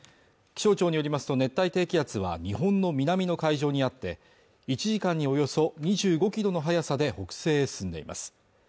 気象庁によりますと熱帯低気圧は日本の南の海上にあって１時間におよそ２５キロの速さで北西へ進んでいます